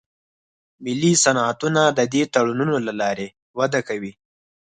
ملي صنعتونه د دې تړونونو له لارې وده کوي